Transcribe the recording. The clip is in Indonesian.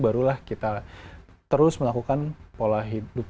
barulah kita terus melakukan pola hidup